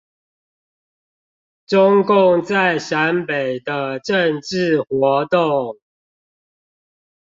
中共在陝北的政治活動